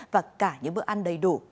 và cả những bữa ăn đầy đủ